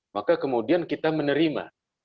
maka kemudian kita menerima